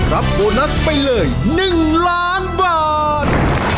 รับโบนัสไปเลย๑ล้านบาท